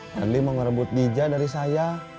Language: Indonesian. padli mau ngerebut deja dari saya